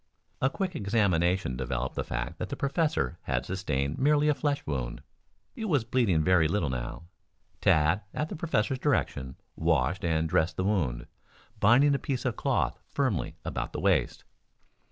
A quick examination developed the fact that the professor had sustained merely a flesh wound. It was bleeding very little now. Tad, at the professor's direction, washed and dressed the wound, binding a piece of cloth firmly about the waist.